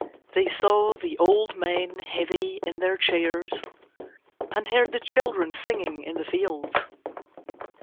They saw the old men heavy in their chairs and heard the children singing in the fields.